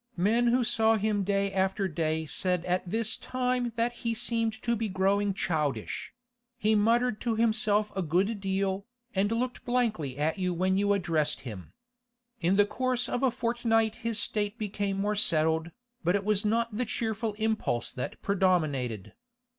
Men who saw him day after day said at this time that he seemed to be growing childish; he muttered to himself a good deal, and looked blankly at you when you addressed him. In the course of a fortnight his state became more settled, but it was not the cheerful impulse that predominated.